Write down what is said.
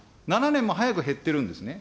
７年も早く減ってるんですね。